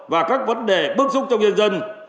và các vấn đề bước xuống trong nhân dân